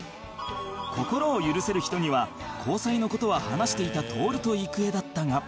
心を許せる人には交際の事は話していた徹と郁恵だったが